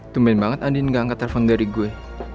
tumil banget andin gak angkat telepon dari gue